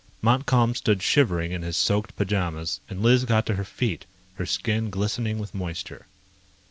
Montcalm stood shivering in his soaked pajamas and Liz got to her feet, her skin glistening with moisture.